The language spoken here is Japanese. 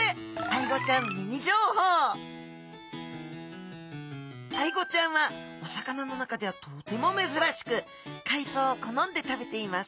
アイゴちゃんはお魚の中ではとてもめずらしく海藻を好んで食べています